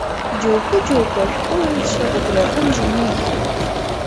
Џьоукы-џьоукы ашәҟәыҩҩцәа убриаҟынӡа инеихьеит.